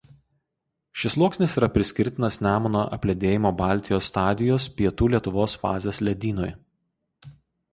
Šis sluoksnis yra priskirtinas Nemuno apledėjimo Baltijos stadijos Pietų Lietuvos fazės ledynui.